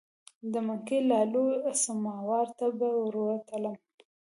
د منګي لالو سماوار ته به ورتللم.